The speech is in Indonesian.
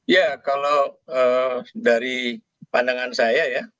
ya kalau dari pandangan saya ya